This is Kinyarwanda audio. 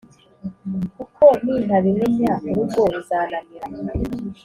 kuko nintabimenya urugo ruzananira.